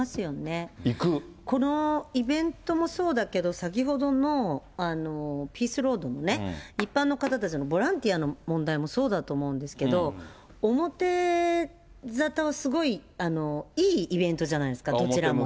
このイベントもそうだけど、先ほどのピースロードもね、一般の方たちのボランティアの問題もそうだと思うんですけれども、表沙汰をすごいいいイベントじゃないですか、どちらも。